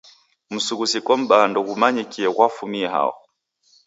Msughusiko m'baa ndoghumanyikie ghwafumie hao.